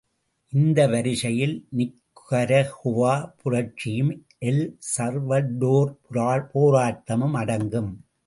இந்த வரிசையில் நிக்கரகுவா புரட்சியும், எல் சவ்வடோர் போராட்டமும் அடங்கும்.